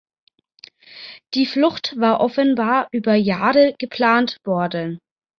Die Flucht war offenbar über Jahre geplant worden.